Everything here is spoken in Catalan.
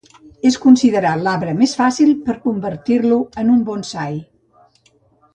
És considerat l'arbre més fàcil per a convertir-lo en un Bonsai.